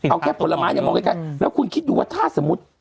เอาแค่ผลไม้อย่างง่ายแล้วคุณคิดดูว่าถ้าสมมติ